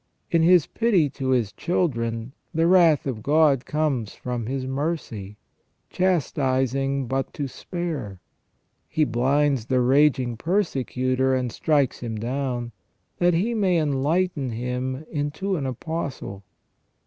In His pity to His children, the wrath of God comes from His mercy, chastising but to spare. He blinds the raging persecutor and strikes him down, that He may enlighten him into an apostle.